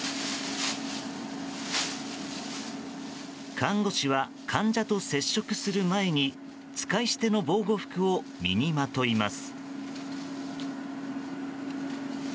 看護師は患者と接触する前に使い捨ての防護服を身にまといます。